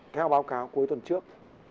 theo báo cáo cuối tuần trước